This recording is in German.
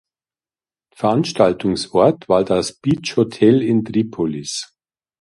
Veranstaltungsort war das „Beach Hotel“ in Tripolis.